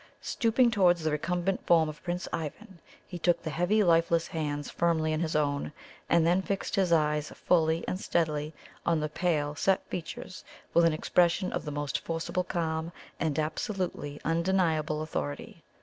Stooping towards the recumbent form of Prince Ivan, he took the heavy lifeless hands firmly in his own, and then fixed his eyes fully and steadily on the pale, set features with an expression of the most forcible calm and absolutely undeniable authority.